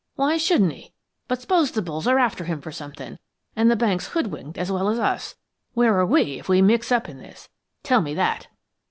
Why shouldn't he? But s'pose the bulls are after him for somethin', and the bank's hood winked as well as us, where are we if we mix up in this? Tell me that!"